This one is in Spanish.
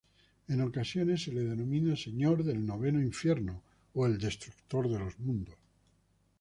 En ocasiones se le denomina "Señor del noveno infierno" o "el Destructor de mundos".